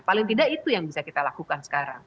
paling tidak itu yang bisa kita lakukan sekarang